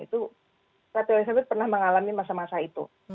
itu ratu elizabeth pernah mengalami masa masa itu